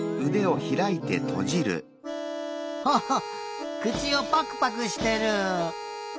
ハッハッくちをパクパクしてる。